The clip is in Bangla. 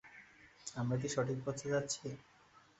আমরা কি সঠিক পথে যাচ্ছি?